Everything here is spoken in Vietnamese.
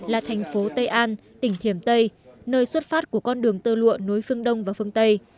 là thành phố tây an tỉnh thiểm tây nơi xuất phát của con đường tơ lụa nối phương đông và phương tây